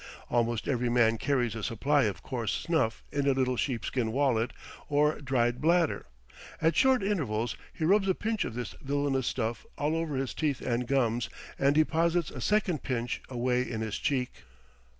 Almost every man carries a supply of coarse snuff in a little sheepskin wallet or dried bladder; at short intervals he rubs a pinch of this villainous stuff all over his teeth and gums and deposits a second pinch away in his cheek.